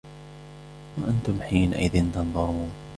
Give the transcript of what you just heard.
وَأَنْتُمْ حِينَئِذٍ تَنْظُرُونَ